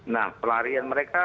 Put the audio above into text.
nah pelarian mereka